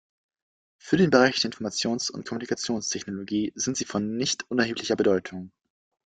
Für den Bereich der Informations- und Kommunikationstechnologie sind sie von nicht unerheblicher Bedeutung.